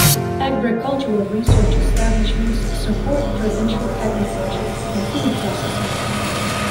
Agricultural research establishments support provincial agriculture and food processing.